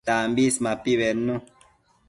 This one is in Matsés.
Tambis mapi bednu